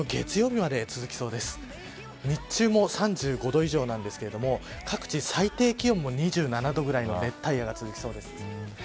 日中も３５度以上なんですが各地、最低気温も２７度ぐらいの熱帯夜が続きそうです。